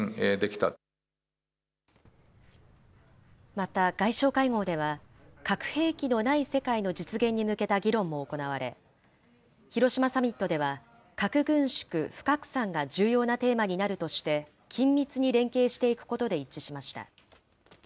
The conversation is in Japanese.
また、外相会合では、核兵器のない世界の実現に向けた議論も行われ、広島サミットでは、核軍縮・不拡散が重要なテーマになるとして、緊密に連携していくことで一致しました。